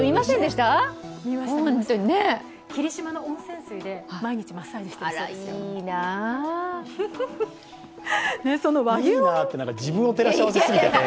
霧島の温泉水で毎日マッサージしてるそうですよ。